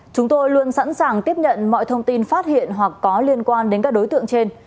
chúng tôi luôn sẵn sàng tiếp nhận mọi thông tin phát hiện hoặc có liên quan đến các đối tượng trên